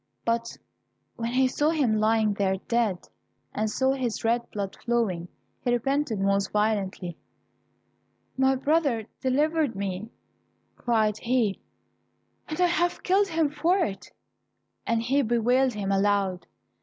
But when he saw him lying there dead, and saw his red blood flowing, he repented most violently: "My brother delivered me," cried he, "and I have killed him for it," and he bewailed him aloud.